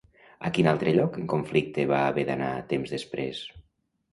A quin altre lloc en conflicte va haver d'anar temps després?